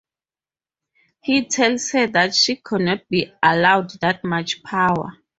He tells her that she cannot be allowed that much power.